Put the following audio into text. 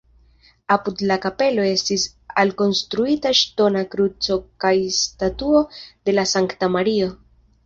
Apud la kapelo estis alkonstruita ŝtona kruco kaj statuo de la sankta Mario.